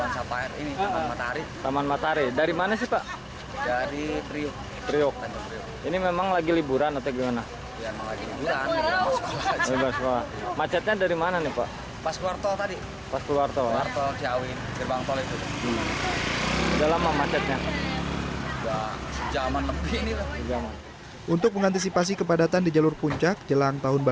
sudah lama macetnya